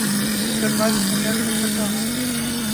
جلد بازی میں فیصلے کرتا ہوں